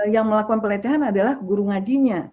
yang melakukan pelecehan adalah guru ngajinya